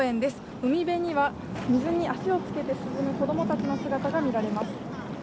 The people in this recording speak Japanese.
海辺には水に足をつけている子供たちの姿が見られます。